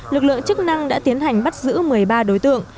lực lượng chức năng đã tiến hành bắt giữ một mươi ba đối tượng